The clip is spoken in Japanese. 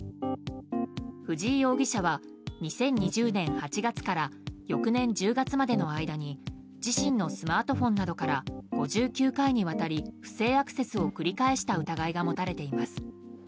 藤井容疑者は２０２０年８月から翌年１０月までの間に自身のスマートフォンなどから５９回にわたり不正アクセスを繰り返した疑いが持たれています。